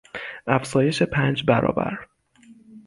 افزایش پنج برابر